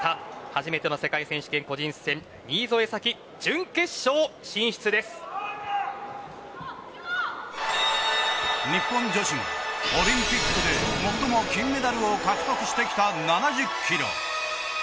初めての世界選手権個人戦日本女子オリンピックで最も金メダルを獲得してきた７０キロ。